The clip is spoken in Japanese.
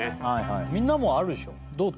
みんなもあるでしょ？